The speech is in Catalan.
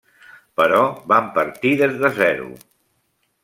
Però van partir des de zero.